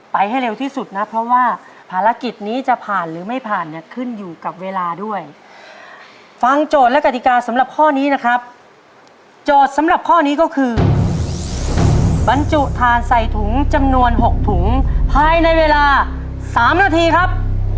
ให้เร็วที่สุดนะเพราะว่าภารกิจนี้จะผ่านหรือไม่ผ่านเนี่ยขึ้นอยู่กับเวลาด้วยฟังโจทย์และกติกาสำหรับข้อนี้นะครับโจทย์สำหรับข้อนี้ก็คือบรรจุทานใส่ถุงจำนวน๖ถุงภายในเวลา๓นาทีครับ